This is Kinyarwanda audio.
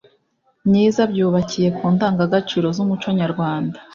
myiza byubakiye ku ndangagaciro z'umuco nyarwanda